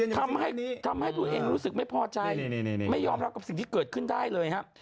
ทำให้ตัวเองรู้สึกไม่พอใจไม่ยอมรับกับสิ่งที่เกิดขึ้นได้เลยครับ